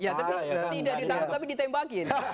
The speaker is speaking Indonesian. ya tetep tidak ditangkep tapi ditembakin